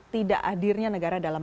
tidak hadirnya negara dalam